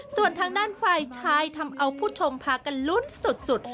ส่วนทางด้านฝ่ายชายทำเอาผู้ชมพากันลุ้นสุด